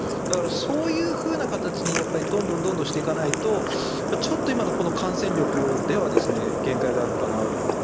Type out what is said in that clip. だから、そういうふうな形にどんどんしていかないとちょっと今の感染力では限界があるかなと。